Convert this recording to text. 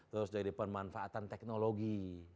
terus dari pemanfaatan teknologi